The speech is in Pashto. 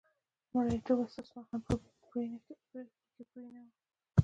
مریتوب او استثمار هم په کې پرېنه و.